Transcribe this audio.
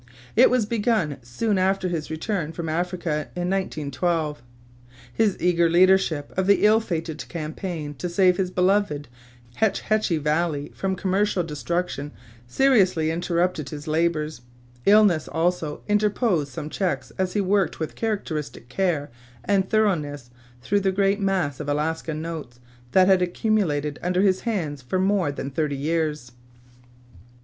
It was begun soon after his return from Africa in 1912. His eager leadership of the ill fated campaign to save his beloved Hetch Hetchy Valley from commercial destruction seriously interrupted his labors. Illness, also, interposed some checks as he worked with characteristic care and thoroughness through the great mass of Alaska notes that had accumulated under his hands for more than thirty years.